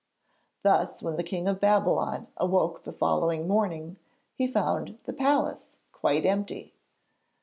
Thus when the King of Babylon awoke the following morning, he found the palace quite empty.